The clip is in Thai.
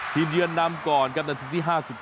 ทีมเยือนนำก่อนกับนาทีที่๕๙